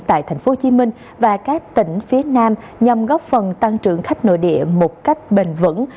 thành phố hồ chí minh và các tỉnh phía nam nhằm góp phần tăng trưởng khách nội địa một cách bền vững